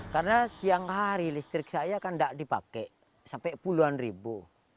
karena siang hari listrik saya kan tidak dipakai sampai puluhan ribu